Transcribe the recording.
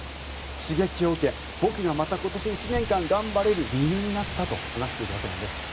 刺激を受け、僕がまた今年１年間頑張れる理由になったと話しているわけなんです。